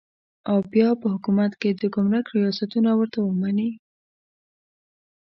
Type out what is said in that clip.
او بیا په حکومت کې د ګمرک ریاستونه ورته ومني.